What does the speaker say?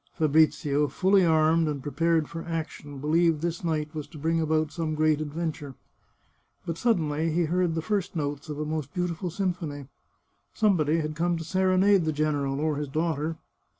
Fabrizio, fully armed and prepared for action, believed this night was to bring about some great adventure. But suddenly he heard the first notes of a most beautiful symphony. Somebody had come to serenade the general or his daughter.